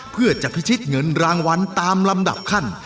เพื่อจะพิชิตเงินรางวัลตามลำดับขั้น